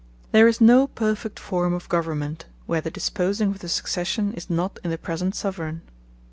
There is no perfect forme of Government, where the disposing of the Succession is not in the present Soveraign.